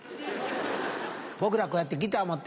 僕らこうやってギター持って。